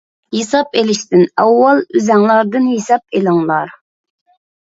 ھېساب ئېلىنىشتىن ئاۋۋال ئۆزۈڭلاردىن ھېساب ئېلىڭلار.